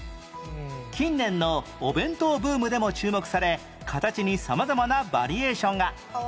近年のお弁当ブームでも注目され形に様々なバリエーションが